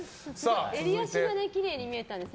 襟足がきれいに見えたんです。